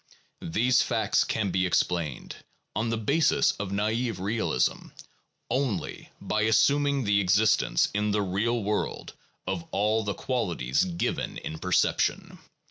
These facts can be explained, on the basis of naive realism, only by assuming the existence in the real world of all the qualities given in perception.